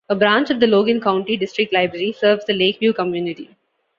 A branch of the Logan County District Library serves the Lakeview community.